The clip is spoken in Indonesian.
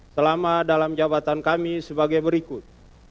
selama dalam jabatan kami sebagai berikut